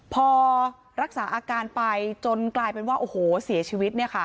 พอรักษาอาการไปจนกลายเป็นว่าโอ้โหเสียชีวิต